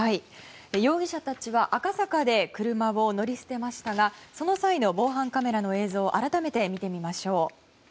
容疑者たちは赤坂で車を乗り捨てましたがその際の防犯カメラの映像改めて見てみましょう。